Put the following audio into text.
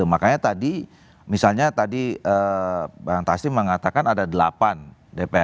makanya tadi misalnya tadi bang taslim mengatakan ada delapan dpr